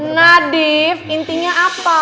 nadif intinya apa